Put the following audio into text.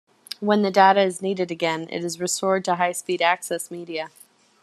When the data is needed again, it is restored to high-speed access media.